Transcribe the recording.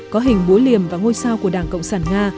có hình búa liềm và ngôi sao của đảng cộng sản nga